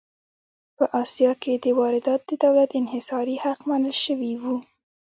په اسیا کې دا واردات د دولت انحصاري حق منل شوي وو.